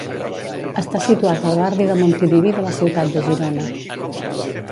Està situat al barri de Montilivi de la ciutat de Girona.